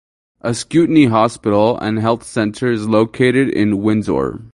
Ascutney Hospital and Health Center is located in Windsor.